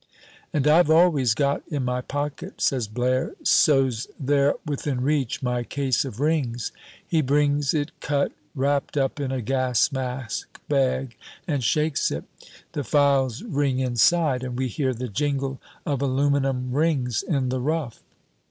"And I've always got in my pocket," says Blaire, "so's they're within reach, my case of rings." He brings it cut, wrapped up in a gas mask bag, and shakes it. The files ring inside, and we hear the jingle of aluminium rings in the rough.